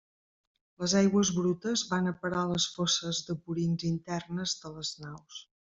Les aigües brutes van a parar a les fosses de purins internes de les naus.